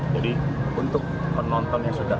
jadi untuk penonton yang sudah